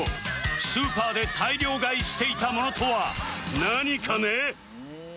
スーパーで大量買いしていたものとはなにカネ？